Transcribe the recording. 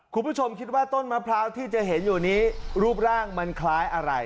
คุณผู้ชมคิดว่าต้นมะพร้าวที่จะเห็นอยู่นี้รูปร่างมันคล้ายอะไร